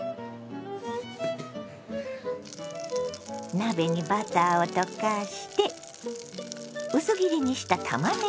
鍋にバターを溶かして薄切りにしたたまねぎを炒めます。